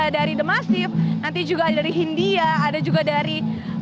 dari the massive nanti juga ada dari hindia ada juga dari